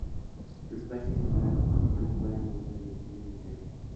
Los parches se agarran con la cuerda y a menudo con anillos de acero.